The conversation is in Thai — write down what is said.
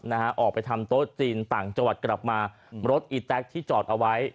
นะฮะออกไปทำโต๊ะจีนต่างจังหวัดกลับมารถอีแต๊กที่จอดเอาไว้